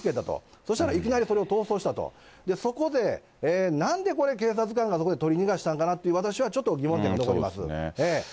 そしたら、それがいきなり逃走したと、そこでなんでこれ、警察官がそこで取り逃がしたんかなと、私は疑問点が残ります。